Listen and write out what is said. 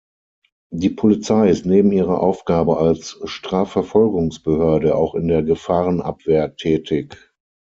Die Polizei ist neben ihrer Aufgabe als Strafverfolgungsbehörde auch in der Gefahrenabwehr tätig.